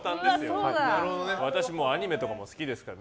私もアニメとか好きですから。